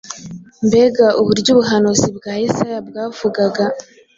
Mbega uburyo ubuhanuzi bwa Yesaya bwavugaga